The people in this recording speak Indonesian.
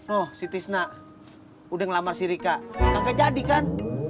oh si tisna udah ngelamar si rika gak kejadian kan